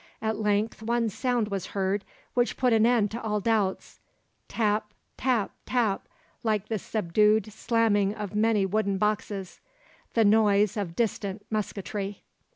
At length one sound was heard which put an end to all doubts, tap, tap, tap, like the subdued slamming of many wooden boxes the noise of distant musketry.